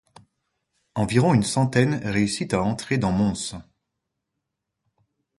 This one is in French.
Environ une centaine réussit à entrer dans Mons.